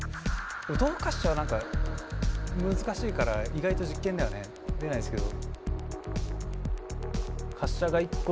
動滑車は何か難しいから意外と実験ではね出ないですけど。